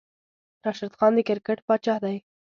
راشد خان د کرکیټ پاچاه دی